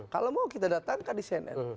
kalau mau kita datangkan di cnn